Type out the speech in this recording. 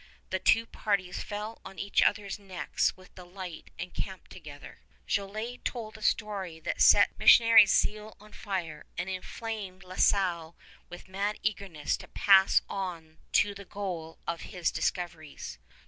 The two parties fell on each other's necks with delight and camped together. Jolliet told a story that set the missionaries' zeal on fire and inflamed La Salle with mad eagerness to pass on to the goal of his discoveries.